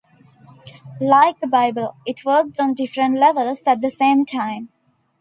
Like the Bible, it worked on different levels at the same time.